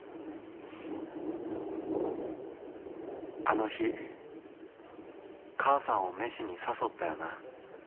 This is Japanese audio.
「あの日母さんを飯に誘ったよな。